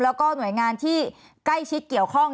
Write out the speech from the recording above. แล้วก็หน่วยงานที่ใกล้ชิดเกี่ยวข้อง